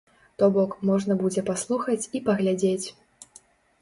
То бок, можна будзе паслухаць і паглядзець.